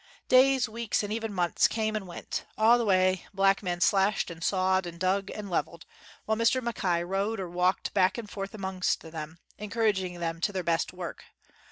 Days, weeks, and even months came and went. All the way black men slashed and sawed, and dug and leveled, while Mr. Mackay rode or walked back and forth among them, encouraging them to their best work.